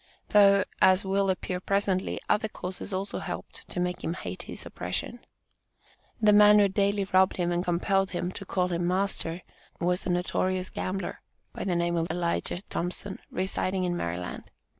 Though, as will appear presently, other causes also helped to make him hate his oppression. The man who had daily robbed him, and compelled him to call him master, was a notorious "gambler," by the name of Elijah Thompson, residing in Maryland.